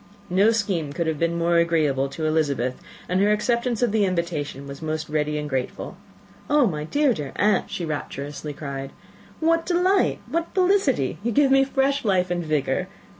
No scheme could have been more agreeable to Elizabeth, and her acceptance of the invitation was most ready and grateful. "My dear, dear aunt," she rapturously cried, "what delight! what felicity! You give me fresh life and vigour.